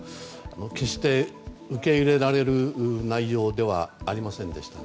決して受け入れられる内容ではありませんでした。